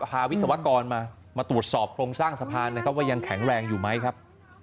วิศวกรมามาตรวจสอบโครงสร้างสะพานนะครับว่ายังแข็งแรงอยู่ไหมครับ